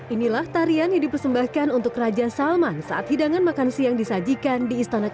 inilah tarian yang dipersembahkan untuk raja salman saat hidangan makan siang disajikan di istana